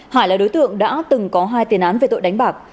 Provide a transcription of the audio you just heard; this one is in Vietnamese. hải là đối tượng đã từng có hai tiền án về tội đánh bạc